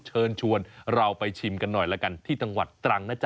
เชิญชวนเราไปชิมกันหน่อยแล้วกันที่จังหวัดตรังนะจ๊